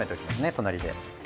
隣で。